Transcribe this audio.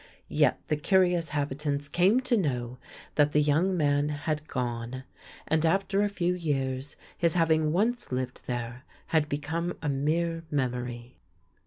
Yet the curious habitants came to know that the young man had gone, and after a few years his having once lived there had become a mere mem ory.